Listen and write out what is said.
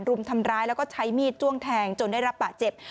รุมทำร้ายแล้วก็ใช้มีดจ้วงแทงจนได้รับบาดเจ็บ